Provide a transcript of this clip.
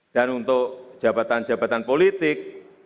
dan untuk jabatan jabatan politik